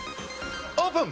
オープン！